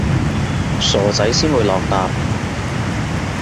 傻仔先會落疊